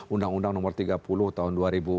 undang undang nomor tiga puluh tahun dua ribu dua